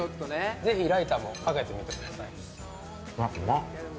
ぜひライタも食べてみてください。